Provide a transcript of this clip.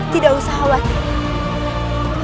tidak usah khawatir